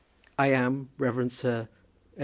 I am, Reverend Sir, &c.